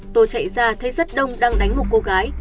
tôi chạy ra thấy rất đông đang đánh một cô gái